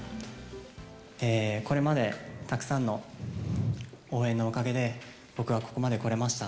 これまでたくさんの応援のおかげで、僕はここまで来れました。